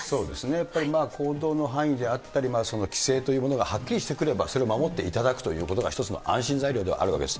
やっぱり行動の範囲であったり、規制というものがはっきりしてくれば、それを守っていただくということが、一つの安心材料ではあるわけです。